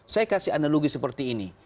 saya kasih analogi seperti ini